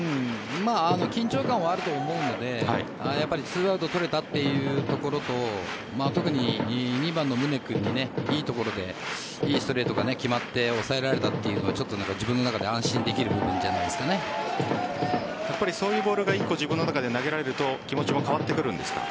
緊張感はあると思うので２アウトを取れたというところと特に２番の宗君にいいところでいいストレートが決まって抑えられたというのは自分の中でそういうボールが１個自分の中で投げられると気持ちも変わってくるんですか？